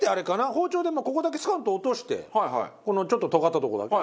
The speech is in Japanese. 包丁でここだけストンと落としてこのちょっととがったとこだけ。